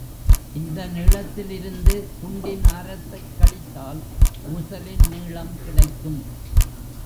இந்த நீளத்தில் இருந்து குண்டின் ஆரத்தைக் கழித்தால் ஊசலின் நீளம் கிடைக்கும்.